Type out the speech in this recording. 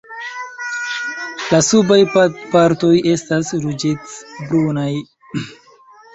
La subaj partoj estas ruĝecbrunaj.